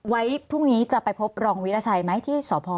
ไว้พรุ่งนี้จะไปพบรองวิราชัยไหมที่สพ